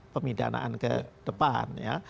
pemidanaan ke depan